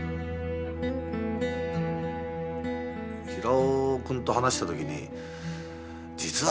平尾くんと話した時に実はさ